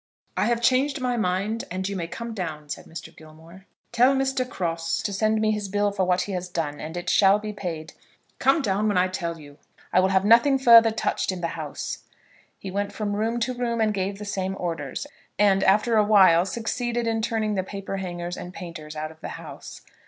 "I have changed my mind, and you may come down," said Mr. Gilmore. "Tell Mr. Cross to send me his bill for what he has done, and it shall be paid. Come down, when I tell you. I will have nothing further touched in the house." He went from room to room and gave the same orders, and, after a while, succeeded in turning the paper hangers and painters out of the house.